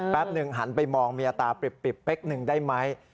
หนึ่งหันไปมองเมียตาปริบเป๊กหนึ่งได้ไหม